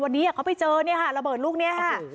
วันนี้เขาไปเจอเนี่ยค่ะระเบิดลูกนี้ค่ะ